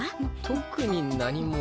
特に何も。